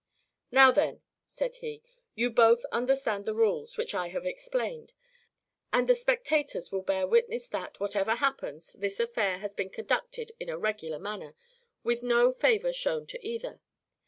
"Now, then," said he, "you both understand the rules, which I have explained, and the spectators will bear witness that, whatever happens, this affair has been conducted in a regular manner, with no favor shown to either.